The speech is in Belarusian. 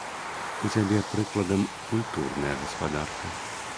У цябе, прыкладам, культурная гаспадарка.